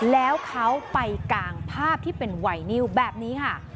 แล้วเขาไปกางภาพที่เป็นไวนิวแบบนี้ค่ะ